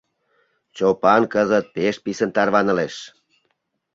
Чопан кызыт пеш писын тарванылеш.